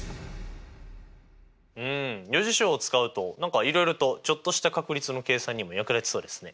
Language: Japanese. うん余事象を使うと何かいろいろとちょっとした確率の計算にも役立ちそうですね。